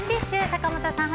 坂本さん